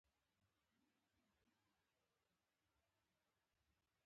کور د هوساینې زانګو ده.